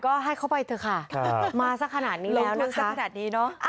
ก็ให้เขาไปเถอะค่ะมาสักขนาดนี้แล้วนั่งสักขนาดนี้เนอะ